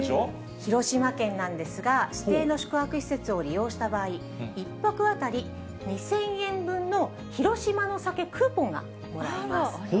広島県なんですが、指定の宿泊施設を利用した場合、１泊当たり２０００円分の広島の酒クーポンがもらえます。